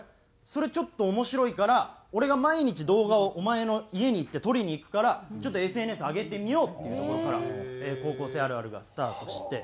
それちょっと面白いから俺が毎日動画をお前の家に行って撮りに行くからちょっとＳＮＳに上げてみよう」っていうところから「高校生あるある」がスタートして。